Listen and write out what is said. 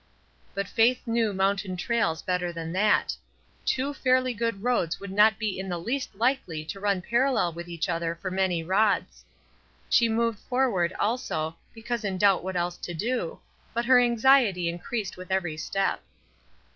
But Faith knew moimtain trails better than that ; two fairly good roads would not be in the least likely to run parallel with each other for many rods. She moved forward, also, because in doubt what else to do, but her anxiety in creased with every step.